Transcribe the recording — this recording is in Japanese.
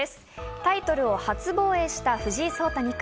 タイトルを初防衛した藤井聡太二冠。